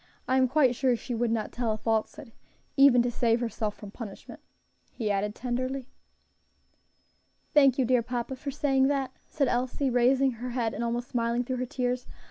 I am quite sure she would not tell a falsehood even to save herself from punishment," he added tenderly. "Thank you, dear papa, for saying that," said Elsie, raising her head and almost smiling through her tears.